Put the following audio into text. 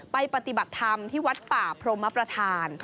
ปฏิบัติธรรมที่วัดป่าพรหมประธาน